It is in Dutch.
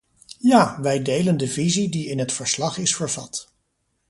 Ja, wij delen de visie die in het verslag is vervat.